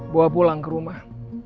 bawa pulang ke rumah